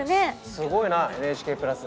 すごいなＮＨＫプラス！